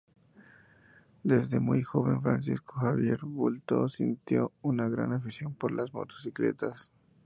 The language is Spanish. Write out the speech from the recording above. Desde muy joven Francisco Javier Bultó sintió una gran afición por las motocicletas.